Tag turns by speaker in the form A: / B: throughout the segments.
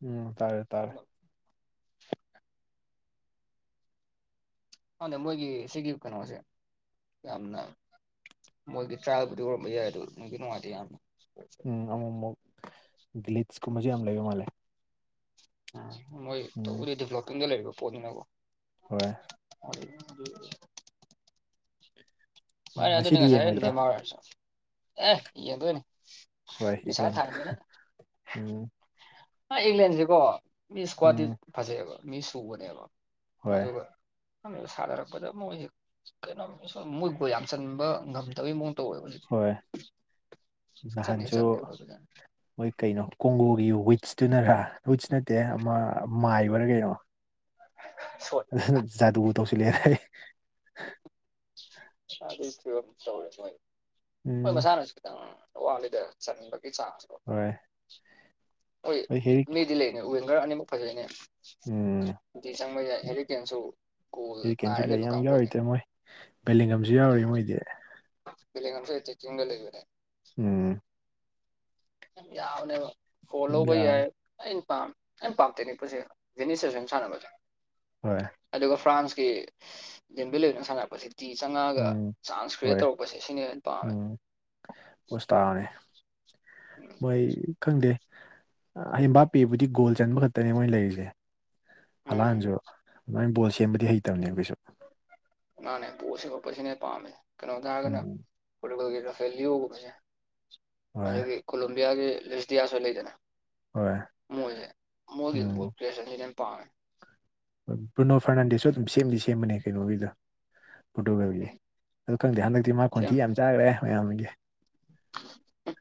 A: ꯎꯝ ꯇꯥꯔꯦ ꯇꯥꯔꯦ
B: ꯈꯪꯗꯦ ꯃꯣꯏꯒꯤ ꯁꯤꯒꯤ ꯀꯩꯅꯣꯁꯦ ꯌꯥꯝꯅ ꯃꯣꯏꯗꯤ ꯇ꯭ꯔꯥꯏꯜꯕꯨꯗꯤ ꯑꯣꯏꯔꯝꯕꯗꯤ ꯌꯥꯏ ꯑꯗꯨ ꯅꯨꯡꯗꯤ ꯅꯨꯡꯉꯥꯏꯇꯦ ꯌꯥꯝꯅ
A: ꯎꯝ ꯑꯃꯨꯛ ꯑꯃꯨꯛ ꯒ꯭ꯂꯤꯠꯁꯀꯨꯝꯕꯖꯦ ꯌꯥꯝ ꯂꯩꯕ ꯃꯥꯜꯂꯦ
B: ꯎꯝ ꯃꯣꯏ
A: ꯎꯝ
B: ꯇꯧꯕꯨꯗꯤ ꯗꯤꯕ꯭ꯂꯞꯄꯤꯡꯗ ꯂꯩꯔꯤꯕ ꯄꯣꯠꯅꯤꯅꯀꯣ
A: ꯍꯣꯏ
B: [inaudible] ꯑꯗꯨ ꯃꯥꯅꯦ ꯑꯗꯨꯅꯤ
A: ꯉꯁꯤꯗꯤ
B: ꯉꯁꯥꯏꯅ
A: ꯌꯦꯡꯉꯣꯏꯗ꯭ꯔꯣ
B: ꯅꯦꯃꯥꯔꯔ ꯑꯦ ꯌꯦꯡꯗꯣꯏꯅꯦ
A: ꯍꯣꯏ ꯏꯪꯂꯥꯜ
B: ꯚꯥꯢ ꯏꯪꯂꯟꯁꯦꯀꯣ ꯃꯤ ꯏꯁꯀ꯭ꯋꯥꯗꯤ
A: ꯎꯝ
B: ꯐꯖꯩꯑꯦꯕ ꯃꯤ ꯁꯨꯕꯅꯦꯕ
A: ꯍꯣꯏ
B: ꯑꯗꯨꯒ ꯁꯥꯅꯔꯛꯄꯗ ꯃꯣꯏꯖꯦ ꯑꯩꯈꯣꯏ ꯌꯥꯝ ꯆꯟꯕ ꯉꯝꯗꯕꯒꯤꯩ ꯃꯑꯣꯡ ꯇꯧꯋꯦꯕ ꯍꯧꯖꯤꯛ
A: ꯍꯣꯏ
B: ꯁꯨꯡꯆꯟ ꯍꯦꯛ
A: ꯅꯍꯥꯟꯁꯨ
B: ꯆꯟꯗꯦ ꯃꯣꯏ ꯐꯖꯅ
A: ꯃꯣꯏ ꯀꯩꯅꯣ ꯀꯣꯡꯒꯣꯒꯤ ꯋꯤꯠꯁꯇꯨꯅꯔ ꯋꯤꯠꯁ ꯅꯠꯇꯦ ꯑꯃ ꯃꯥꯏꯕꯔ ꯀꯩꯅꯣ
B: ꯁꯣꯠ
A: ꯖꯥꯗꯨ ꯇꯧꯁꯤꯟꯂꯛꯌꯦ ꯍꯥꯢ
B: ꯑꯗꯨ ꯐꯕꯝꯗꯣ ꯇꯧꯔꯦ ꯃꯣꯏ
A: ꯎꯝ
B: ꯃꯁꯥꯅꯁꯨ ꯈꯤꯇꯪ ꯋꯥꯠꯂꯤꯗꯅ ꯆꯟꯕꯒꯤ ꯆꯪꯁꯨ
A: ꯍꯣꯏ
B: ꯍꯣꯏ ꯃꯤꯗꯤ ꯂꯩꯅꯦ ꯋꯤꯡꯒꯔ ꯑꯅꯤꯃꯛ ꯐꯖꯩꯅꯦ
A: ꯎꯝ
B: ꯗꯨꯗꯤ ꯆꯪꯕ ꯌꯥꯏ ꯍꯦꯔꯤꯇꯦꯟꯁꯨꯨ ꯒꯣꯜ ꯉꯥꯏꯔ ꯂꯩꯕ ꯀꯥꯡꯕꯨꯅꯦ
A: ꯃꯂꯦꯉꯝꯖꯨ ꯌꯥꯎꯔꯤ ꯃꯣꯏꯗꯤ
B: ꯃꯥꯂꯦꯝꯉꯥꯝꯖꯨ ꯑꯦꯇꯤꯆꯤꯡꯗ ꯂꯩꯕꯅꯦ
A: ꯎꯝ
B: ꯌꯥꯕꯅꯦꯕ ꯐꯣꯜ
A: ꯑꯗꯨꯝ
B: ꯂꯧꯕ
A: ꯌꯥꯎꯔꯤ
B: ꯌꯥꯢ ꯑꯩꯅ ꯄꯥꯝ ꯑꯩꯅ [inaudible] ꯄꯥꯝꯇꯦꯅꯦꯄꯨꯔꯁꯦ ꯖꯦꯅꯤꯁ ꯁꯦꯁꯟ ꯁꯥꯟꯅꯕꯁꯦ
A: ꯍꯣꯏ
B: ꯑꯗꯨꯒ ꯐ꯭ꯔꯥꯟꯁꯀꯤ ꯗꯦꯝꯕꯦꯂꯦꯅꯒ ꯁꯥꯟꯅꯔꯛꯄꯁꯤꯗꯤ ꯅꯨꯡꯇꯤ ꯆꯪꯉꯒ
A: ꯎꯝ
B: ꯆꯥꯟꯁ ꯀ꯭ꯔꯤꯌꯦꯠ
A: ꯍꯣꯏ
B: ꯇꯧꯔꯛꯄꯁꯦ ꯁꯤꯅꯦ ꯑꯩꯅ ꯄꯥꯝꯃꯤꯁꯦ
A: ꯎꯝ ꯄꯣꯁ ꯇꯥꯕꯅꯦ
B: ꯎꯝ
A: ꯍꯣꯏ ꯈꯪꯗꯦ ꯕꯥꯞꯄꯦꯕꯨꯗꯤ ꯒꯣꯜ ꯆꯟꯕ ꯈꯠꯇꯅꯦ ꯃꯣꯏꯅ ꯂꯩꯔꯤꯖꯦ
B: ꯎꯝ
A: ꯍꯂꯥꯟꯖꯨ ꯑꯗꯨꯃꯥꯏꯅ ꯕꯣꯜ ꯁꯦꯝꯕꯗꯤ ꯍꯩꯇꯕꯅꯦ ꯀꯩꯥꯁꯨ
B: ꯃꯥꯅꯦ ꯕꯣꯜ ꯁꯦꯝꯃꯛꯄꯁꯤꯅꯦ ꯄꯥꯝꯃꯤꯖꯦ ꯀꯩꯅꯣ ꯗ ꯍꯥꯏꯔꯒꯅ
A: ꯎꯝ
B: ꯄꯣꯔꯇꯨꯒꯜꯒꯤ ꯔꯐꯦꯂꯤꯑꯣꯒꯨꯝꯕꯁꯦ
A: ꯍꯣꯏ
B: ꯑꯗꯒꯤ ꯀꯣꯂꯝꯕꯤꯌꯥꯒꯤ ꯂꯤꯁꯗꯤꯌꯥꯁꯨ ꯂꯩꯗꯅ
A: ꯍꯣꯏ
B: ꯃꯣꯏꯖꯦ ꯃꯣꯏꯒꯤ
A: ꯎꯝ
B: ꯕꯣꯜ ꯀ꯭ꯔꯤꯌꯦꯁꯟꯖꯤꯗꯤ ꯌꯥꯝ ꯄꯥꯝꯃꯦ [unintelligible]
A: ꯍꯣꯏ ꯕ꯭ꯔꯨꯅꯣ ꯐꯔꯅꯟꯗꯦꯁꯁꯨ ꯑꯗꯨꯝ ꯁꯦꯝꯗꯤ ꯁꯦꯝꯕꯅꯦ ꯀꯩꯅꯣꯒꯤꯗ ꯄꯣꯔꯇꯨꯒꯜꯒꯤ
B: ꯎꯝ
A: ꯑꯗꯨ ꯈꯪꯗꯦ ꯍꯟꯗꯛꯇꯤ ꯃꯥ ꯈꯣꯟꯊꯤ ꯌꯥꯝ ꯆꯥꯒ꯭ꯔꯦ ꯃꯌꯥꯝꯒꯤ
B: ꯍꯨꯡ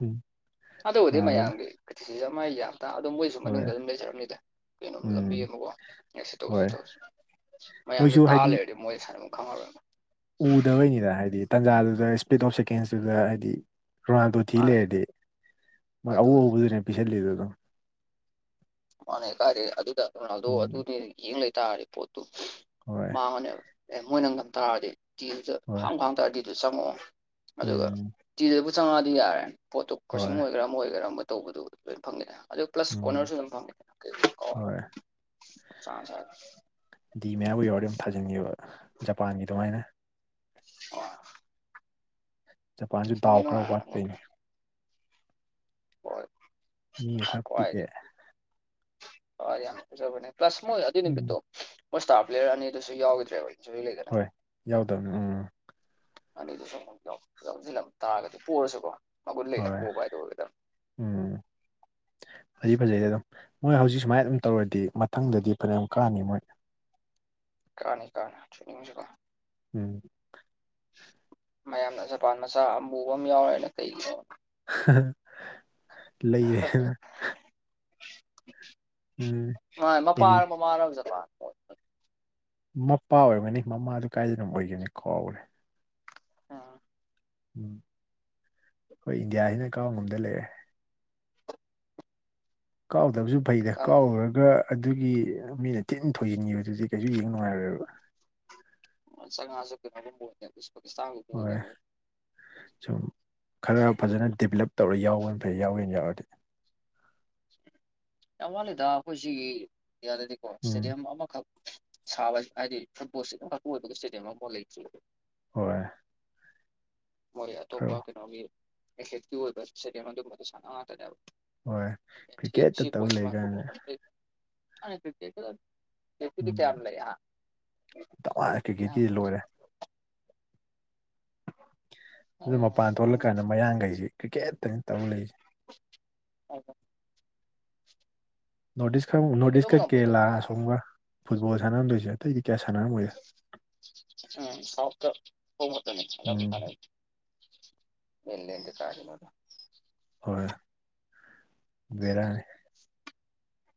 A: ꯎꯝ
B: ꯑꯗꯨꯕꯨꯗꯤ
A: ꯔꯣꯅꯥꯜꯗꯣ
B: ꯃꯌꯥꯝꯒꯤ ꯀ꯭ꯔꯤꯇꯤꯁꯤꯖꯝ ꯃꯥ ꯌꯥꯝꯇꯥ ꯑꯗꯨꯝ ꯃꯣꯏ
A: ꯍꯣꯏ
B: ꯃꯅꯨꯡꯗ ꯑꯗꯨꯝ ꯂꯩꯖꯔꯝꯅꯤꯗ ꯀꯩꯅꯣꯝ ꯂꯝꯕꯤ
A: ꯎꯝ
B: ꯑꯃꯀꯣ ꯌꯥꯔꯦꯁꯦ ꯇꯣꯛꯁꯤ
A: ꯍꯣꯏ
B: ꯇꯣꯛꯁꯤ ꯃꯌꯥꯝꯒꯤ
A: ꯃꯣꯏꯁꯨ
B: ꯇꯥ
A: ꯍꯥꯏꯗꯤ
B: ꯂꯩꯔꯗꯤ ꯃꯣꯏ ꯁꯥꯟꯅꯕꯝ ꯈꯪꯉꯔꯣꯏꯕ
A: ꯎꯗꯕꯩꯅꯤꯗ ꯍꯥꯏꯗꯤ ꯇꯥꯟꯖꯥꯗꯨꯗ ꯁꯄ꯭ꯂꯤꯠ ꯑꯣꯐ ꯁꯦꯀꯦꯟꯁꯇꯨꯗ ꯍꯥꯏꯗꯤ ꯔꯣꯅꯥꯥꯜꯗꯣ ꯊꯤ
B: ꯃꯥꯅꯦ
A: ꯂꯩꯔꯗꯤ ꯃꯣꯏ ꯑꯎ
B: ꯑꯗꯨꯅꯤ
A: ꯑꯎꯕꯗꯨꯅꯦ ꯄꯤꯁꯟꯂꯤꯗꯣ ꯑꯗꯨꯝ
B: ꯃꯥꯅꯦ ꯀꯥꯏꯗꯩ ꯑꯗꯨꯗ ꯔꯣꯅꯥꯜꯗꯣ
A: ꯎꯝ
B: ꯑꯗꯨꯅꯤ ꯌꯦꯡ ꯂꯩꯇꯥꯥꯔꯗꯤ ꯄꯣꯠꯇꯨ
A: ꯍꯣꯏ
B: ꯃꯥꯅꯦꯕ ꯑꯦ ꯃꯣꯏꯅ ꯉꯝ ꯇꯥꯔꯗꯤ ꯇꯤꯗꯨꯗ
A: ꯍꯣꯏ
B: ꯍꯥꯡꯕꯨ ꯍꯥꯡ ꯇꯥꯔꯗꯤ ꯑꯗꯨ ꯆꯪꯉꯛꯑꯣ ꯑꯗꯨꯒ
A: ꯎꯝ
B: ꯆꯤꯗꯕꯨ ꯆꯪꯉꯛꯑꯗꯤ ꯌꯥꯔꯦ ꯄꯣꯠꯇꯨ
A: ꯍꯣꯏ
B: ꯀ꯭ꯔꯣꯁꯤꯡ ꯑꯣꯏꯒꯦꯔꯥ ꯑꯃ ꯑꯣꯏꯒꯦꯔꯥ ꯑꯃ ꯇꯧꯕꯗꯨ ꯂꯣꯏ ꯐꯪꯉꯤꯗꯥ ꯑꯗꯨ ꯄ꯭ꯂꯁ
A: ꯎꯝ
B: ꯀꯣꯅꯔꯁꯨ ꯑꯗꯨꯝ ꯐꯪ
A: ꯍꯣꯏ
B: [unintelligible] ꯆꯥꯛ ꯍꯥꯟ ꯆꯥꯒꯦ
A: ꯗꯤ ꯃꯌꯥꯕꯨ ꯌꯧꯔꯗꯤ ꯑꯗꯨꯝ ꯊꯥꯖꯤꯟꯒꯤꯕ ꯖꯄꯥꯟꯒꯤꯗꯨꯃꯥꯏꯅ
B: ꯑꯣ
A: ꯖꯄꯥꯟꯁꯨ ꯗꯥꯎ ꯈꯔ ꯋꯥꯠꯄꯩꯅꯦ
B: ꯍꯣꯏ
A: ꯃꯤ ꯈꯔ
B: ꯀ꯭ꯋꯥꯏꯗꯒꯤ
A: ꯄꯤꯛꯑꯦ
B: ꯑ ꯌꯥꯝꯅ ꯐꯖꯕꯅꯦ ꯄ꯭ꯂꯁ ꯃꯣꯏ ꯑꯗꯨꯏ
A: ꯎꯝ
B: ꯅꯨꯃꯤꯠꯇꯣ ꯃꯣꯏ ꯏꯁꯇꯥꯔ ꯄ꯭ꯂꯦꯌꯔ ꯑꯅꯤꯗꯨꯁꯨ ꯌꯥꯎꯈꯤꯗ꯭ꯔꯦꯕ ꯏꯟꯖꯨꯔꯤ ꯂꯩꯗꯅ
A: ꯌꯥꯎꯗꯕꯅꯦ ꯎꯝ
B: ꯑꯅꯤꯗꯨꯁꯨ ꯑꯃꯨꯛ ꯂꯧꯁꯤꯜ ꯑꯃ ꯇꯥꯔꯒꯗꯤ ꯄꯔꯁꯨꯀꯣ ꯃꯒꯨꯟ ꯂꯩꯅ
A: ꯍꯣꯏ
B: ꯄꯣꯕ ꯍꯥꯏꯗꯣ ꯑꯣꯏꯒꯗꯝꯅꯤ
A: ꯎꯝ ꯐꯗꯤ ꯐꯖꯩꯗ ꯑꯗꯨꯝ ꯃꯣꯏ ꯍꯧꯖꯤꯛ ꯁꯨꯃꯥꯏ ꯑꯗꯨꯝ ꯇꯧꯔꯗꯤ ꯃꯊꯪꯗꯗꯤ ꯐꯅꯌꯥꯝ ꯀꯥꯅꯤ ꯃꯣꯏ
B: ꯀꯥꯅꯤ ꯀꯥꯅꯤ ꯊꯤꯅꯤꯡꯖ‌ꯦꯀꯣ
A: ꯎꯝ
B: ꯃꯌꯥꯝꯅ ꯖꯄꯥꯟ ꯃꯆꯥ ꯑꯃꯨꯕꯝ ꯌꯥꯎꯔꯦꯅ ꯀꯩꯒꯤꯅꯣ
A: ꯍꯥꯍꯥ ꯂꯩꯔꯦꯍꯅ ꯎꯝ
B: ꯃꯥ
A: ꯑꯦꯅꯤ
B: ꯃꯄꯥꯔ ꯃꯃꯥꯔ ꯑꯃ ꯖꯄꯥꯟ ꯑꯣꯏꯕꯅꯤ
A: ꯃꯄꯥ ꯑꯣꯏꯔꯝꯒꯅꯤ ꯃꯃꯥꯗꯨ ꯀꯥꯏꯗꯩꯅꯣꯝ ꯑꯣꯏꯒꯤꯕꯅꯤ ꯀꯥꯎꯒꯔꯦ
B: ꯑꯥ
A: ꯎꯝ ꯑꯈꯣꯏ ꯏꯟꯗꯤꯌꯥꯖꯤꯅ ꯀꯥꯎ ꯉꯝꯗ ꯂꯩꯔꯦ ꯀꯥꯎꯗꯕꯖꯨ ꯐꯩꯗ
B: ꯈꯪꯗꯦꯅꯦ
A: ꯀꯥꯎꯔꯨꯔꯒ ꯑꯗꯨꯒꯤ ꯃꯤꯅ ꯊꯤꯟ ꯊꯣꯏꯖꯤꯟꯒꯤꯕꯗꯨꯗꯤ ꯀꯩꯁꯨ ꯌꯦꯡ ꯅꯨꯡꯉꯥꯏꯔꯣꯏꯕ
B: ꯁꯁꯣ ꯄꯨꯄꯁꯣ
A: ꯍꯣꯏ
B: [unintelligible]
A: ꯁꯨꯝ ꯈꯔ ꯐꯖꯅ ꯗꯤꯕꯂꯞ ꯇꯧꯔ ꯌꯥꯎꯋꯦꯅ ꯐꯩ ꯌꯥꯎꯋꯦꯅ ꯌꯥꯎꯔꯗꯤ
B: ꯌꯥꯝ ꯋꯥꯠꯂꯦꯗ ꯑꯩꯈꯣꯏꯁꯤꯒꯤ ꯏꯟꯗꯤꯌꯥꯗꯗꯤꯀꯣ
A: ꯎꯝ
B: ꯏꯁꯇꯦꯗꯤꯌꯝ ꯑꯃꯈꯛ ꯁꯥꯕ ꯍꯥꯏꯗꯤ ꯐꯨꯠꯕꯣꯜꯁꯤ ꯌꯥꯝ ꯃꯔꯄꯨ ꯑꯣꯏꯕꯒꯤ ꯏꯁꯇꯦꯗꯤꯌꯝ ꯑꯃ ꯂꯩꯇꯦ
A: ꯍꯣꯏ
B: ꯃꯣꯏ
A: ꯈꯔ
B: ꯑꯇꯣꯞꯄ ꯀꯩꯅꯣꯒꯤ ꯑꯦꯊꯦꯠꯀꯤ ꯑꯣꯏꯕ ꯁꯦꯗꯦꯝ ꯑꯗꯨꯝꯕꯗꯨ ꯁꯥꯟꯅꯕ ꯉꯥꯛꯇꯅꯦꯕ
A: ꯍꯣꯏ ꯀ꯭ꯔꯤꯛꯀꯦꯠꯇ
B: ꯁꯤ ꯄꯣ
A: ꯇꯧ ꯂꯩ
B: ꯃꯥꯐ
A: ꯀꯥꯏꯅ
B: [unintelligible] ꯇ ꯌꯥꯝ ꯂꯩ [unintelligible]
A: ꯇꯅ ꯀꯤꯀꯦꯠꯀꯤ ꯂꯣꯏꯔꯦ ꯑꯗꯨ ꯃꯄꯥꯟ ꯊꯣꯛꯂꯀꯥꯟꯗ ꯃꯌꯥꯡꯈꯩꯁꯤ ꯀ꯭ꯔꯤꯛꯀꯦꯠꯇꯅꯤ ꯇꯧ ꯂꯩꯔꯤꯁꯦ
B: ꯍꯣ
A: ꯅꯣꯔꯠ ꯏꯁ ꯈꯔ ꯅꯣꯔꯠ
B: ꯀꯩꯗꯧ
A: ꯏꯁꯀꯦꯔꯂꯥ
B: ꯉꯝꯃꯣꯏꯗꯕ
A: ꯑꯁꯣꯝꯒ ꯐꯨꯠꯕꯣꯜ ꯁꯥꯟꯅꯝꯣꯏꯁꯦ ꯑꯇꯩꯗꯤ ꯀꯌꯥ ꯁꯥꯟꯅꯔꯝꯃꯣꯏ
B: ꯎꯝꯥꯎꯐꯇ ꯍꯃ ꯇꯅꯤ ꯐꯔ
A: ꯎꯝ
B: [unintelligible] ꯃꯟꯅꯗꯤ ꯀꯔꯅꯗ [unintelligible]
A: ꯍꯣꯏ ꯕꯦꯔꯥꯅꯤ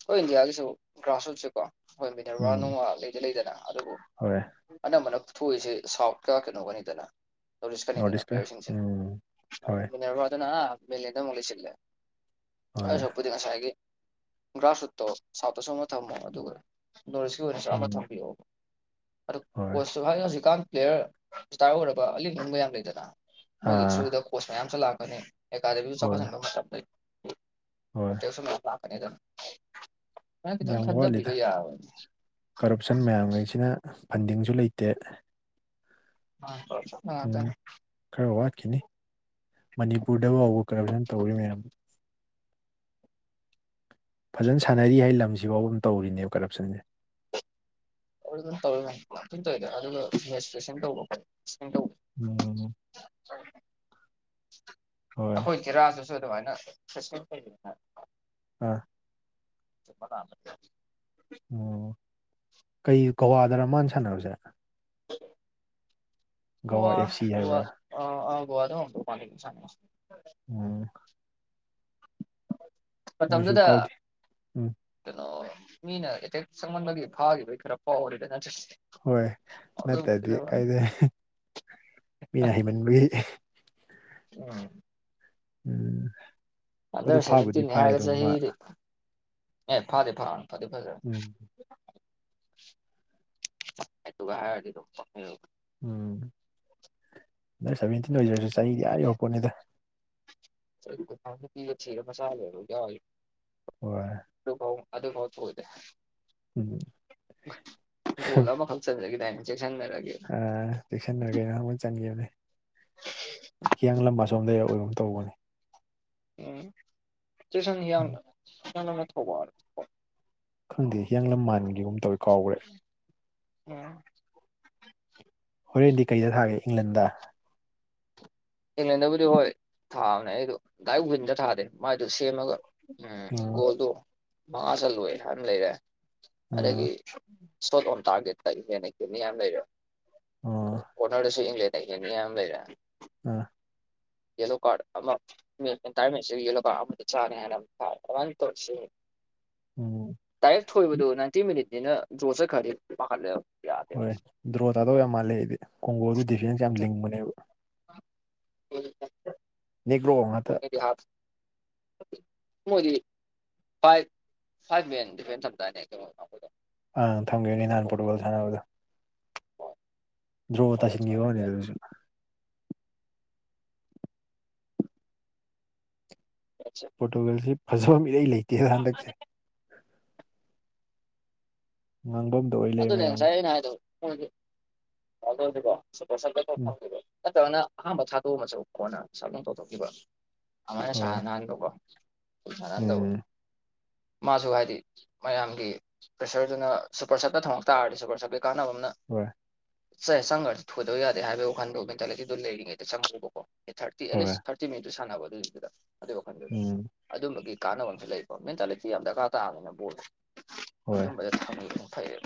B: ꯍꯣꯏ ꯏꯟꯗꯤꯌꯥꯒꯤꯁꯨ ꯒ꯭ꯔꯥꯁꯔꯨꯠꯁꯦꯀꯣ ꯍꯣꯏ ꯃꯤꯅꯔꯚꯥ
A: ꯎꯝ
B: ꯅꯨꯡꯋꯥ ꯂꯩꯗꯤ ꯂꯩꯗꯅ ꯑꯗꯨꯕꯨ
A: ꯍꯣꯏ
B: ꯑꯅꯝꯕꯅ ꯊꯣꯛꯏꯁꯦ ꯁꯥꯎꯠꯀ ꯀꯩꯅꯣꯒꯅꯤꯗꯅ
A: ꯅꯣꯔꯠ
B: ꯇꯧꯔꯤꯁꯀꯅꯤꯗꯅ
A: ꯏꯁꯀ
B: ꯄ꯭ꯂꯦꯌꯔꯁꯤꯡꯁꯦ
A: ꯎꯝ ꯍꯣꯏ
B: ꯃꯤꯅꯔꯚꯥꯗꯅ ꯃꯦꯂꯦꯟꯗ ꯑꯃꯨꯛ ꯂꯩꯁꯤꯜꯂꯦ ꯑꯥꯏ
A: ꯍꯣꯏ
B: ꯁꯔꯨꯛꯄꯨꯗꯤ ꯉꯁꯥꯏꯒꯤ ꯒ꯭ꯔꯥꯁꯔꯨꯠꯇꯣ ꯁꯥꯎꯠꯇꯁꯨ ꯑꯃ ꯊꯝꯃꯣ ꯑꯗꯨꯒ ꯅꯣꯔꯠ ꯏꯁꯀꯤ ꯑꯣꯏꯅꯁꯨ ꯑꯃ
A: ꯎꯝ
B: ꯊꯝꯕꯤꯌꯣ ꯑꯗꯨ
A: ꯍꯣꯏ
B: ꯀꯣꯆꯁꯨ ꯍꯥꯏ ꯍꯧꯖꯤꯛꯀꯥꯟ ꯄ꯭ꯂꯦꯌꯔ ꯔꯤꯁꯇꯥꯔ ꯑꯣꯏꯔꯕ ꯑꯂꯤꯡ ꯑꯂꯤꯡꯕ ꯌꯥꯝ ꯂꯩꯗꯅ ꯃꯣꯏꯒꯤ
A: ꯑꯥ
B: ꯊ꯭ꯔꯨꯗ ꯀꯣꯔꯁ ꯃꯌꯥꯝꯁꯨ ꯂꯥꯛꯀꯅꯤ ꯑꯦꯀꯥꯗꯃꯤꯁꯨ
A: ꯍꯣꯏ
B: ꯆꯥꯎꯈꯠꯍꯟꯕ ꯃꯇꯝꯗ
A: ꯍꯣꯏ
B: [unintelligible] ꯁꯨ ꯃꯌꯥꯝ ꯂꯥꯛꯀꯅꯤꯗ ꯅꯪ ꯈꯤꯇꯪ
A: ꯌꯥꯝ
B: ꯈꯟꯊꯕꯤꯕ
A: ꯋꯥꯠꯂꯤꯗ
B: ꯌꯥꯕꯅꯦ
A: ꯀꯔꯞꯁꯟ ꯃꯌꯥꯝꯉꯩꯁꯤꯅ ꯐꯟꯗꯤꯡꯁꯨ ꯂꯩꯇꯦ
B: [unintelligible]
A: ꯎꯝ ꯈꯔ ꯋꯥꯠꯈꯤꯅꯤ ꯃꯅꯤꯄꯨꯔꯗ ꯐꯥꯎꯕ ꯀꯔꯞꯁꯟ ꯇꯧꯔꯤ ꯃꯌꯥꯝ ꯐꯖꯅ ꯁꯥꯟꯅꯔꯤ ꯍꯥꯏ ꯂꯝꯁꯤꯐꯥꯎꯕ ꯑꯗꯨꯝ ꯇꯧꯔꯤꯅꯦꯕ ꯀꯔꯞꯁꯟꯁꯦ
B: ꯑꯗꯨꯝ ꯇꯧꯋꯤ [unintelligible] ꯑꯗꯨꯒ ꯔꯦꯖꯤꯁꯇꯔꯦꯁꯟ ꯇꯧꯕ [unintelligible]
A: ꯎꯝ ꯍꯣꯏ
B: ꯑꯩꯈꯣꯏ ꯗꯤꯔꯥꯖ ꯍꯣꯏꯁꯨ ꯑꯗꯨꯃꯥꯏꯅ [unintelligible]
A: ꯑꯥ
B: [unintelligible]
A: ꯑꯣ ꯀꯩ ꯒꯋꯥꯗꯔ ꯃꯥꯅ ꯁꯥꯟꯅꯕꯁꯦ
B: ꯒꯋꯥ
A: ꯑꯦꯐ ꯁꯤ
B: ꯒꯋꯥ
A: ꯍꯥꯏꯕ꯭ꯔꯥ
B: ꯑ ꯑ ꯒꯋꯥꯗ ꯑꯣꯏꯔꯝꯗꯧ ꯃꯥꯜꯂ‌ꯦ ꯃꯥ ꯁꯥꯟꯅꯕꯁ‌ꯦ
A: ꯎꯝ ꯃꯣꯏꯁꯨ
B: ꯃꯇꯝꯗꯨꯗ
A: ꯀꯥꯎꯗꯦ ꯎꯝ
B: ꯀꯩꯅꯣ ꯃꯤꯅ ꯑꯦꯇꯦꯛ ꯆꯪꯃꯟꯕꯒꯤ ꯐꯥꯈꯤꯕꯒꯤ ꯈꯔ ꯐꯥꯎꯔ‌ꯦꯗ ꯅꯠꯇ꯭ꯔꯗꯤ
A: ꯍꯣꯏ ꯅꯠꯇꯗꯤ ꯀꯥꯏꯗꯩ ꯃꯤꯅ ꯍꯩꯃꯟꯕꯒꯤ
B: ꯎꯝ
A: ꯎꯝ ꯑꯗꯨ
B: ꯑꯟꯗꯔ
A: ꯐꯥꯕꯨꯗꯤ
B: ꯁꯦꯚꯦꯟꯇꯤꯟꯅꯤ
A: ꯐꯥꯏ
B: ꯍꯥꯏꯔꯒ
A: ꯑꯗꯨꯝ ꯃꯥ
B: ꯆꯍꯤꯗꯤ ꯑꯦ ꯐꯥꯗꯤ ꯐꯥ ꯐꯗꯤ ꯐꯖꯝ
A: ꯎꯝ
B: ꯑꯗꯨꯒ ꯍꯥꯏꯔꯨꯔꯗꯤ [unintelligible]
A: ꯎꯝ ꯑꯟꯗꯔ ꯁꯚꯦꯟꯇꯤꯟ ꯑꯣꯏꯖꯔꯁꯨ ꯆꯍꯤꯗꯤ ꯑꯥ ꯌꯧꯔꯛꯄꯣꯠꯅꯤꯗ
B: [unintelligible] ꯊꯤꯔ ꯃꯆꯥ ꯂꯩꯕ ꯌꯥꯎꯏ [unintelligible]
A: ꯍꯣꯏ
B: ꯑꯗꯨ ꯐꯥꯎ ꯑꯗꯨ ꯐꯥꯎ [unintelligible] ꯗ‌ꯦ
A: ꯎꯝ
B: ꯒꯣꯜ ꯑꯃꯈꯛ ꯆꯟꯖꯒꯤꯗꯥꯏꯅꯦ ꯖꯦꯛꯁꯟ ꯅꯔ ꯀꯩꯅ‌ꯣ
A: ꯑꯥ ꯖꯦꯛꯁꯟꯅꯔ ꯀꯩꯅꯣ ꯑꯃ ꯆꯟꯈꯤꯝꯅꯦ ꯍꯤꯌꯥꯡꯂꯝ ꯑꯁꯣꯝꯗꯩ ꯑꯣꯏꯒꯨꯝ ꯇꯧꯕꯅ‌ꯦ
B: ꯎꯝ ꯖꯦꯛꯁꯟ ꯍꯤꯌꯥꯡꯂꯝ ꯍꯤꯌꯥꯡꯂꯝꯂꯥ ꯊꯧꯕꯥꯜꯂ
A: ꯈꯪꯗꯦ ꯍꯤꯌꯥꯡꯂꯝ ꯃꯥꯟꯒꯤꯒꯨꯝ ꯇꯧꯋꯤ ꯀꯥꯎꯈ꯭ꯔꯦ
B: ꯎꯝ
A: ꯍꯣꯔꯦꯟꯗꯤ ꯀꯩꯗ ꯊꯥꯒꯦ ꯏꯪꯂꯟꯗ
B: ꯏꯪꯂꯟꯗꯕꯨꯗꯤ ꯍꯣꯏ ꯊꯥꯕꯅꯦ ꯑꯩꯗꯣ ꯗꯥꯏꯔꯦꯛ ꯋꯤꯟꯗ ꯊꯥꯗꯦ ꯃꯥꯏꯗꯣ ꯁꯦꯝꯃꯒ ꯎꯝ ꯒꯣꯜꯗꯣ ꯃꯉꯥ ꯆꯜꯂꯣꯏ ꯍꯥꯏꯅ ꯂꯩꯔꯦ
A: ꯎꯝ
B: ꯑꯗꯒꯤ ꯁꯣꯠ ꯑꯣꯟ ꯇꯥꯔꯒꯦꯠꯇ ꯏꯪꯂ‌ꯦꯟꯅ [unintelligible] ꯌꯥꯝ ꯂꯩꯔꯦ
A: ꯎꯝ
B: ꯀꯣꯅꯔꯗꯁꯨ ꯏꯪꯂꯦꯟꯗ ꯀꯩ ꯀꯩꯅꯣ ꯌꯥꯝ ꯂꯩꯔ‌ꯦ
A: ꯑꯥ
B: ꯌꯦꯂꯣ ꯀꯥꯔꯠ ꯑꯃ [unintelligible] ꯌꯦꯂꯣ ꯀꯥꯔꯠ [unintelligible] ꯆꯥꯅꯤꯅ ꯑꯗꯨꯃꯥꯏ ꯇꯧꯔ ꯁꯦꯝ
A: ꯎꯝ
B: ꯗꯥꯥꯏꯔꯦꯛ ꯊꯣꯏꯕꯗ‌ꯣ ꯅꯥꯏꯟꯇꯤ ꯃꯤꯅꯤꯠꯅꯤꯅ ꯗ꯭ꯔꯣ ꯆꯠꯈ꯭ꯔꯗꯤ ꯄꯥꯈꯠꯂꯦꯕ ꯌꯥꯗꯦꯕ
A: ꯍꯣꯏ ꯗ꯭ꯔꯣ ꯇꯥꯗꯧ ꯌꯥꯝ ꯃꯥꯜꯂꯦ ꯑꯩꯗꯤ ꯀꯣꯡꯒꯣꯜꯗꯨ ꯗꯤꯐꯦꯟꯁ ꯌꯥꯝ ꯂꯤꯡꯕꯅꯦꯕ
B: [unintelligible]
A: [unintelligible] ꯅꯦꯒ꯭ꯔꯣ ꯉꯥꯛꯇ
B: [unintelligible] ꯃꯣꯏꯗꯤ ꯐꯥꯏꯚ ꯐꯥꯏꯚ ꯃꯦꯟ ꯗꯤꯐꯦꯟꯁ ꯊꯝꯗꯥꯏꯅꯦ ꯀꯩꯅꯣꯈꯣꯏꯗꯣ
A: ꯑꯪ ꯊꯝꯒꯤꯅꯦ ꯅꯍꯥꯟ ꯄꯣꯔꯇꯨꯒꯜ ꯁꯥꯟꯅꯕꯗꯣ ꯗ꯭ꯔꯣ ꯇꯥꯁꯤꯟꯈꯤꯕ ꯋꯥꯅꯤ ꯑꯗꯨꯁꯨ
B: [unintelligible]
A: ꯄꯣꯔꯇꯨꯒꯜꯁꯤ ꯐꯖꯕꯝ ꯏꯔꯩ ꯂꯩꯇꯦ ꯍꯟꯗꯛꯁꯦ ꯉꯥꯡꯕꯝ
B: ꯑꯗꯨꯅꯦ ꯉꯁꯥꯏ ꯑꯩꯅ ꯍꯥꯏꯗꯣ ꯔꯣꯅꯥꯜꯗꯣꯖꯦ ꯀꯣ
A: ꯎꯝ
B: [unintelligible] ꯅꯠꯇꯔꯒꯅ ꯑꯍꯥꯥꯟꯕ ꯊꯥꯗꯣꯛꯑꯃꯁꯨ ꯀꯣꯟꯅ ꯁꯞ ꯇꯧꯊꯣꯛꯈꯤꯕ ꯑꯃꯥꯏꯅ
A: ꯍꯣꯏ
B: ꯁꯥꯟꯅꯍꯟ ꯗꯧꯕ ꯁꯥꯟꯅꯍꯟ ꯗꯧꯕ
A: ꯎꯝ
B: ꯃꯥꯁꯨ ꯍꯥꯏꯗꯤ ꯃꯌꯥꯝꯒꯤ ꯄ꯭ꯔꯦꯁꯔꯗꯨꯅ ꯄꯣꯁꯠꯇ ꯊꯝꯃꯛ ꯇꯥꯔꯁꯨ ꯄꯣꯁꯞꯀꯤ ꯀꯥꯟꯅꯕ ꯑꯃꯅ
A: ꯍꯣꯏ
B: ꯁꯦ ꯆꯪꯈ꯭ꯔꯗꯤ ꯊꯣꯏꯗꯕ ꯌꯥꯗꯦ ꯍꯥꯏꯕꯒꯤ ꯋꯥꯈꯟꯗ ꯃꯦꯟꯇꯦꯂꯤꯇꯤꯗꯣ ꯂꯩꯔꯤꯉꯩꯗ ꯆꯪꯉꯨꯕꯀꯣ ꯑꯦ ꯊꯥꯔꯇꯤ
A: ꯍꯣꯏ
B: ꯑꯦꯠꯂꯤꯁ ꯊꯥꯔꯇꯤ ꯃꯤꯅꯤꯠꯇꯨ ꯁꯥꯟꯅꯕ ꯑꯗꯨꯏꯗꯨꯗ ꯑꯗꯨꯒꯤ ꯋꯥꯈꯜꯗꯨꯗ
A: ꯎꯝ
B: ꯑꯗꯨꯝꯕꯒꯤ ꯀꯥꯟꯅꯕ ꯑꯃꯁꯁꯨ ꯂꯩꯕ ꯃꯦꯟꯇꯥꯂꯤꯇꯤ ꯌꯥꯝ ꯗꯔꯀꯥꯔ ꯇꯥꯕꯅꯤꯅ ꯕꯣꯜꯗꯤ
A: ꯍꯣꯏ
B: [unintelligible] ꯐꯩ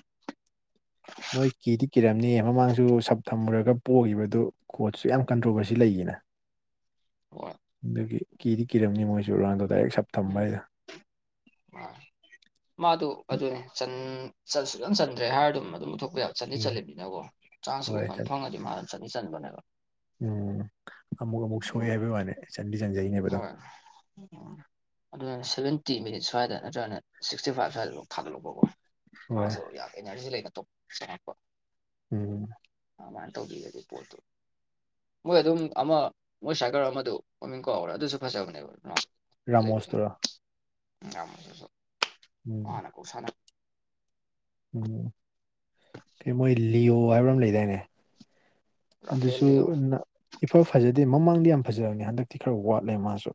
A: ꯃꯣꯏ ꯀꯤꯗꯤ ꯀꯤꯔꯝꯅꯤꯌꯦ ꯃꯃꯥꯡꯁꯨ ꯁꯞ ꯊꯝꯃꯨꯔꯒ ꯄꯣꯛꯈꯤꯕꯗꯨ ꯀꯣꯠꯁꯨ ꯌꯥꯝ ꯀꯟꯇ꯭ꯔꯣꯕꯔꯁꯤ ꯂꯩꯒꯤꯅ
B: ꯍꯣꯏ
A: ꯑꯗꯨꯒꯤ ꯀꯤꯗꯤ ꯀꯤꯔꯝꯅꯤ ꯃꯣꯏꯁꯨ ꯔꯣꯅꯥꯜꯗꯣ ꯗꯥꯏꯔꯦꯛ ꯊꯝꯕ
B: ꯎꯝ
A: ꯍꯥꯏꯗꯣ
B: ꯋꯥ ꯃꯥꯗꯨ ꯑꯗꯨꯅꯦ ꯆꯟ ꯁꯨꯆꯟ ꯆꯟꯗ꯭ꯔꯦ ꯍꯥꯏꯔ ꯑꯗꯨꯝ ꯑꯗꯨꯝ ꯄꯨꯊꯣꯛꯄ ꯌꯥꯕ ꯆꯟꯗꯤ
A: ꯎꯝ
B: ꯆꯟꯂꯤꯕꯅꯤꯅꯀꯣ ꯆꯥꯟꯁꯁꯨ ꯎꯝ
A: ꯍꯣꯏ
B: ꯐꯖꯅ ꯐꯪꯉꯗꯤ ꯃꯥꯅ ꯆꯠꯅꯤ ꯆꯟꯕꯅꯦꯕ
A: ꯎꯝ ꯑꯃꯨꯛ ꯑꯃꯨꯛ
B: ꯑꯗꯨ
A: ꯁꯣꯛꯑꯦ ꯍꯥꯏꯕꯩ ꯋꯥꯅꯤ
B: ꯍꯣꯏ ꯎꯝ ꯑꯗꯨ ꯁꯚꯦꯟꯇꯤ ꯃꯤꯅꯤꯠ ꯁ꯭ꯋꯥꯏꯗ ꯅꯠꯇ꯭ꯔꯒꯅ ꯁꯤꯛꯁꯇꯤ ꯐꯥꯏꯚ ꯁ꯭ꯋꯥꯏꯗ ꯊꯥꯗꯣꯔꯛꯄꯀꯣ
A: ꯍꯣꯏ
B: ꯃꯥꯁꯨ ꯌꯥꯝ ꯏꯅꯔꯖꯤ ꯂꯩꯅ ꯇꯨꯝ ꯆꯪꯉꯛꯄ
A: ꯎꯝ
B: ꯑꯗꯨꯃꯥꯏꯅ ꯇꯧꯕꯤꯔꯥꯗꯤ ꯄꯣꯠꯇꯨ ꯃꯣꯏ ꯑꯗꯨꯝ ꯑꯃ ꯃꯣꯏ ꯁꯥꯏꯀꯔ ꯑꯃꯗꯨ ꯃꯃꯤꯡ ꯀꯥꯎꯒ꯭ꯔꯦ ꯑꯗꯨꯁꯨ ꯐꯖꯕꯅꯦꯕ ꯂꯩꯕꯗꯣ
A: ꯔꯥꯃꯣꯁꯇꯨꯔꯣ
B: [unintelligible]
A: ꯎꯝ
B: ꯃꯥꯅ ꯀꯥꯎꯁꯟ
A: ꯎꯝ ꯀꯩ ꯃꯣꯏ ꯂꯤꯌꯑꯣ ꯍꯥꯏꯕ ꯑꯃ ꯂꯩꯗꯥꯏꯅꯦ ꯑꯗꯨꯁꯨ
B: ꯔꯥꯐꯦꯜꯂꯤꯌꯣ
A: ꯏꯐ ꯐꯖꯗꯦ ꯃꯃꯥꯡꯗꯤ ꯌꯥꯝ ꯐꯖꯕꯅꯦ ꯍꯟꯗꯛꯇꯤ ꯈꯔ ꯋꯥꯠꯂꯦ ꯃꯥꯁꯨ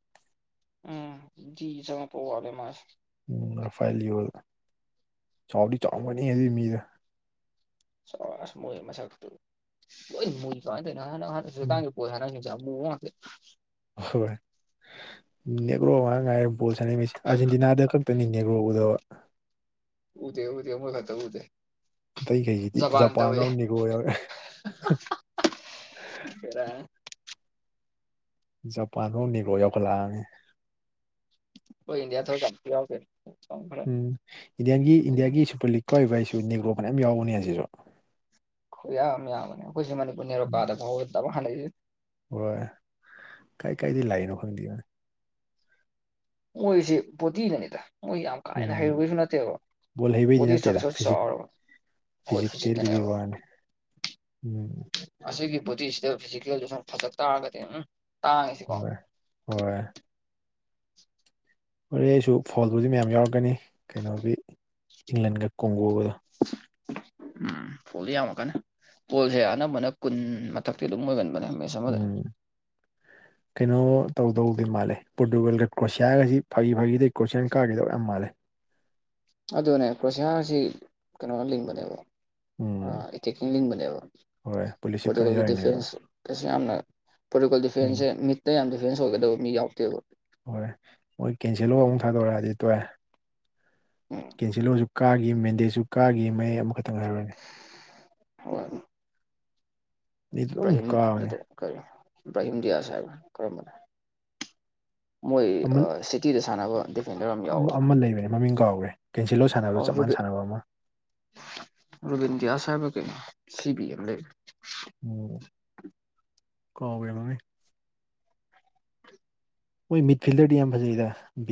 B: ꯎꯝ ꯗꯤ ꯆꯪꯉꯛꯄ ꯋꯥꯠꯂꯦ ꯃꯖꯨ
A: ꯎꯝ ꯔꯐꯥꯏꯂꯤꯌꯣ ꯆꯥꯎꯗꯤ ꯆꯥꯎꯕꯥꯅꯤꯍꯦ ꯑꯗꯨꯏ ꯃꯤꯗꯣ
B: ꯆꯥꯎꯋꯦ ꯑꯁ ꯃꯣꯏ ꯃꯁꯛꯇꯨ ꯂꯣꯏ ꯃꯨꯏ ꯀꯃꯥꯏꯅ ꯇꯧꯔꯤꯅꯣ
A: ꯎꯝ
B: ꯉꯍꯥꯟ [unintelligible] ꯕꯣꯜ ꯁꯟꯅꯩ ꯁꯤꯡꯁꯦ ꯑꯃꯨꯕꯥ ꯉꯥꯛꯇꯥ
A: ꯍꯣꯏ ꯅꯦꯒꯔꯣ ꯉꯥꯛ ꯉꯥꯏꯔꯕ ꯕꯣꯜ ꯁꯥꯟꯅꯩꯁꯦ ꯑꯔꯖꯦꯟꯇꯤꯅꯥꯗ ꯈꯛꯇꯅꯤ ꯅꯦꯒꯔꯣ ꯎꯗꯕꯥ
B: ꯎꯗꯦ ꯎꯗꯦ ꯃꯣꯢ ꯈꯛꯇꯥ ꯎꯗꯦ
A: ꯑꯇꯩꯈꯩꯁꯤꯗꯤ ꯖꯄꯥꯟ ꯐꯥꯎ ꯅꯦꯒꯔꯣ ꯌꯥꯎꯏ
B: [unintelligible] ꯕꯦꯔꯥꯅꯦ
A: ꯖꯄꯥꯟ ꯕꯥꯎ ꯅꯦꯒꯔꯣ ꯌꯥꯎꯈꯠꯂꯛꯑꯕꯅꯤ
B: [unintelligible] ꯈꯣꯢ ꯏꯟꯗꯤꯌꯥ ꯊꯣꯔꯛꯀꯥꯟ ꯌꯥꯎꯗ꯭ꯔꯦ
A: ꯎꯝ ꯏꯟꯗꯤꯌꯥꯟꯒꯤ ꯏꯟꯗꯤꯌꯥꯒꯤ ꯁꯨꯄꯔ ꯂꯤꯛ ꯀꯥꯎꯏꯕꯥꯢꯁꯨ ꯅꯦꯒ꯭ꯔꯣ ꯐꯅꯌꯥꯝ ꯌꯥꯎꯕꯅꯦ ꯑꯁꯤꯁꯨ
B: ꯈꯨꯌꯥꯝ ꯑꯃꯥ ꯌꯥꯝꯕꯅꯦ ꯑꯩꯈꯣꯏꯁꯤ ꯃꯅꯤꯄꯨꯔ
A: ꯎꯝ
B: ꯅꯦꯔꯣꯀꯥꯗ ꯐꯥꯎꯗꯕ ꯗꯥꯃꯥ ꯂꯩꯕꯥꯅꯦ
A: ꯍꯣꯏ ꯀꯥꯏ ꯀꯥꯏꯗꯒꯤ ꯂꯥꯛꯏꯅꯣ ꯈꯪꯗꯦ
B: ꯃꯣꯢꯁꯤ ꯕꯣꯗꯤꯅꯅꯤꯗ ꯃꯣꯏ ꯌꯥꯝ ꯀꯥ ꯍꯦꯟꯅ
A: ꯎꯝ
B: ꯍꯩꯔꯨꯕꯩꯁꯨ ꯅꯠꯇꯦꯕ
A: ꯕꯣꯜ ꯍꯩꯕꯩꯗꯤ
B: ꯕꯣꯗꯤ
A: ꯅꯠꯇꯦꯗ
B: ꯏꯁꯇ꯭ꯔꯛꯆꯔ
A: ꯐꯤꯖꯤꯛ
B: ꯆꯥꯎꯔꯒꯥ ꯃꯣꯏ
A: ꯐꯤꯖꯤꯀꯦꯜꯗꯨꯒꯤ
B: ꯐꯤꯖꯤꯛꯇꯥꯅꯦꯕ
A: ꯋꯥꯅꯤ ꯎꯝ
B: ꯑꯁꯤꯒꯤ ꯕꯣꯗꯤꯁꯤꯗ ꯐꯤꯖꯤꯀꯦꯜꯗꯖꯨ ꯐꯖꯥ ꯇꯥꯔꯒꯗꯤ ꯎꯝ ꯇꯥꯡꯉꯤꯁꯤꯀꯣ
A: ꯍꯣꯏ ꯍꯣꯏ ꯍꯣꯔꯦꯟꯁꯨ ꯐꯣꯟꯕꯨꯗꯤ ꯃꯌꯥꯝ ꯌꯥꯎꯔꯛꯀꯅꯤ ꯀꯩꯅꯣꯒꯤ ꯏꯪꯂꯟꯒ ꯀꯣꯡꯒꯣꯒꯗꯨ
B: ꯎꯝ ꯐꯣꯜꯗꯤ ꯌꯥꯝꯃꯀꯥꯅꯤ ꯐꯣꯜꯁꯦ ꯑꯅꯝꯕ ꯀꯨꯟ ꯃꯊꯛꯇꯤ ꯑꯗꯨꯝ ꯑꯣꯏꯒꯟꯕꯅꯦ ꯃꯦꯠꯁ ꯑꯃꯗ
A: ꯎꯝ ꯀꯩꯅꯣ ꯇꯧꯗꯧꯗꯤ ꯃꯥꯜꯂꯦ ꯄꯣꯔꯇꯨꯒꯜꯒ ꯀ꯭ꯔꯣꯁꯤꯌꯥꯒꯁꯤ ꯐꯥꯒꯤ ꯐꯥꯒꯤꯗꯩ ꯀ꯭ꯔꯣꯁꯤꯌꯥ ꯀꯥꯒꯤꯗꯧ ꯌꯥꯝ ꯃꯥꯜꯂꯦ
B: ꯑꯗꯨꯅꯦ ꯀ꯭ꯔꯣꯁꯤꯌꯥꯔꯁꯤ ꯀꯩꯅꯣ ꯂꯤꯡꯕꯅꯦꯕ
A: ꯎꯝ
B: ꯑꯥ ꯑꯇꯦꯛꯇꯤ ꯂꯤꯡꯕꯅꯦꯕ
A: ꯍꯣꯏ ꯄꯨꯂꯤ
B: ꯄꯣꯔꯇꯨꯒꯜꯒꯤ ꯗꯤꯐꯦꯟꯁ ꯀꯩꯁꯨ ꯌꯥꯝꯅ ꯄꯣꯔꯇꯨꯒꯜ
A: ꯎꯝ
B: ꯗꯤꯐꯦꯟꯁꯁꯦ ꯃꯤꯠ ꯗ ꯌꯥꯝ ꯗꯤꯐꯦꯟꯁ ꯑꯣꯏꯒꯗꯕ ꯃꯤ ꯌꯥꯎꯇꯦꯕ
A: ꯍꯣꯏ ꯃꯣꯏ ꯀꯦꯟꯁꯦꯜꯂꯣ ꯑꯃꯨꯛ ꯊꯥꯗꯣꯔꯛꯑꯗꯤ ꯇꯣꯑꯦ
B: ꯎꯝ
A: ꯀꯦꯟꯁꯦꯜꯂꯣꯁꯨ ꯀꯥꯒꯤ ꯃꯦꯟꯗꯦꯁꯨ ꯀꯥꯒꯤ ꯃꯌꯦꯛ ꯑꯃꯈꯛꯇꯪ ꯉꯥꯏꯍꯧꯔꯅꯤ
B: [unintelligible]
A: ꯑꯅꯤꯗꯨ ꯑꯗꯨꯝ
B: ꯕ꯭ꯔꯥꯍꯤꯝ
A: ꯀꯥꯕꯅꯦ
B: ꯅꯠꯇꯦ ꯀꯔꯤ ꯕ꯭ꯔꯥꯍꯤꯝ ꯗꯤꯌꯥꯁ ꯍꯥꯏꯕꯔꯥ ꯀꯔꯝꯕꯅꯣ ꯃꯣꯏ
A: ꯑꯃ
B: ꯁꯤꯇꯤꯗ ꯁꯥꯟꯅꯕ ꯗꯤꯐꯦꯟꯗꯔ ꯌꯥꯎꯕꯗꯣ
A: ꯑꯃ ꯂꯩꯕꯅꯦ ꯃꯃꯤꯡ ꯀꯥꯎꯒ꯭ꯔꯦ ꯀꯦꯟꯁꯤꯜꯂꯣ ꯁꯥꯟꯅꯕ ꯆꯞ ꯃꯥꯟꯅ ꯁꯥꯟꯅꯕ ꯑꯃ
B: ꯔꯣꯕꯤꯟꯗꯤꯌꯥꯁ ꯍꯥꯏꯕꯔꯥ ꯀꯩꯅꯣ ꯁꯤ ꯕꯤ ꯑꯃ ꯂꯩꯕꯅꯦ
A: ꯑꯣ ꯀꯥꯎꯒꯥꯔꯦ ꯃꯃꯤꯡ ꯃꯣꯏ ꯃꯤꯠ ꯐꯤꯜꯗꯔꯗꯤ ꯌꯥꯝ ꯐꯖꯩꯗ